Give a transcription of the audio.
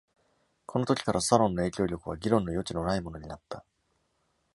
この時から、サロンの影響力は議論の余地のないものになった。